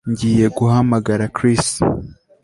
Ngiye guhamagara Chris